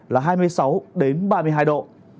là hai mươi sáu đến ba mươi hai độ